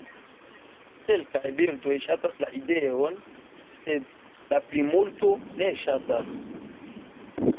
Kelkaj birdoj ŝatas la ideon, sed la plimulto ne ŝatas.